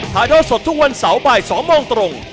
ถ่ายทอดสดทุกวันเสาร์บ่าย๒โมงตรง